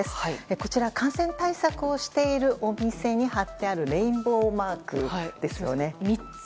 こちら感染対策をしているお店に貼ってある貼ってあるレインボーマークです。